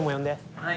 はい。